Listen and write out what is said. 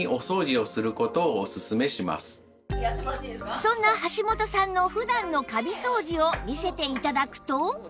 そんな橋本さんの普段のカビ掃除を見せて頂くと